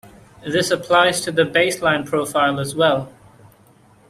This applies to the Baseline Profile as well.